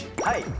はい。